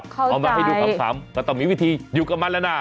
เข้าใจเอามาให้ดูคำคำแต่ต้องมีวิธีอยู่กับมันแล้วนะ